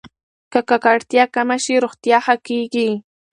که ککړتیا کمه شي، روغتیا ښه کېږي.